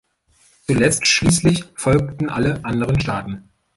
Zuletzt schließlich folgten alle anderen Staaten.